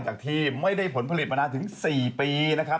จากที่ไม่ได้ผลผลิตมานานถึง๔ปีนะครับ